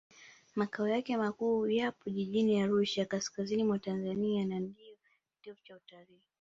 makao yake makuu yapo jijini arusha kaskazini mwa tanzania na ndiyo kitovu cha utalii